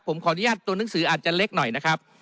ผมขออนุญาตตัวหนังสืออาจจะเล็กหน่อยนะครับ